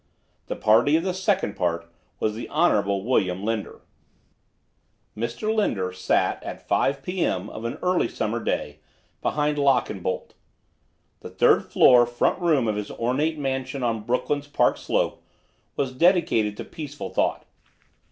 The party of the second part was the Honorable William Linder. Mr., Linder sat at five P. M., of an early summer day, behind lock and bolt. The third floor front room of his ornate mansion on Brooklyn's Park Slope was dedicated to peaceful thought.